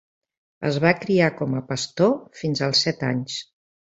Es va criar com a pastor fins als set anys.